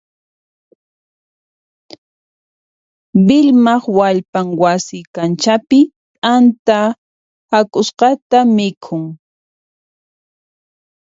Vilmaq wallpan wasi kanchapi t'anta hak'usqata mikhun.